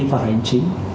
và ngân hàng